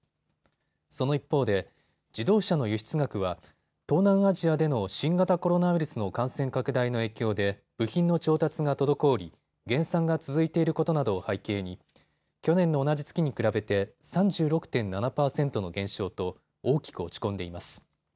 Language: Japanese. その一方で自動車の輸出額は東南アジアでの新型コロナウイルスの感染拡大の影響で部品の調達が滞り減産が続いていることなどを背景に去年の同じ月に比べて３６．７％の減少と大きく落ち込んでいます。